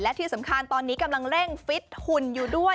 และที่สำคัญตอนนี้กำลังเร่งฟิตหุ่นอยู่ด้วย